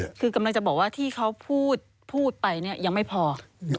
คือกำลังจะบอกว่าที่เขาพูดพูดไปเนี่ยยังไม่พอ